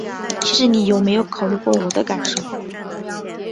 其实你有没有考虑过我的感受？